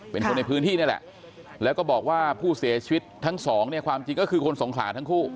เป็นคนในพื้นที่นี่แหละแล้วก็บอกว่าผู้เสียชีวิตทั้งสองเนี่ยความจริงก็คือคนสงขลาทั้งคู่